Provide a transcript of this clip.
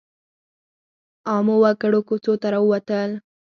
عامو وګړو کوڅو ته راووتل.